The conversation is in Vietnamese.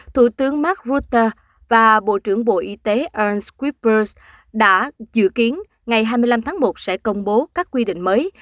thủ tướng mark rutte và bộ trưởng bộ y tế an skippers đã dự kiến ngày hai mươi năm tháng một sẽ công bố các quy định mới